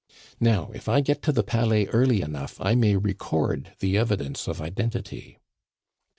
"Now, if I get to the Palais early enough I may record the evidence of identity."